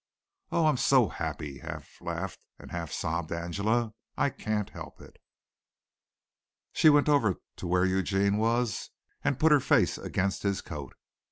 "Oh, I'm so happy," half laughed and half sobbed Angela, "I can't help it." She went over to where Eugene was and put her face against his coat.